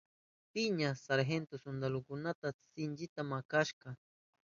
Piña sargento suntalukunata sinchita makarka.